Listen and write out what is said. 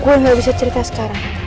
gue gak bisa cerita sekarang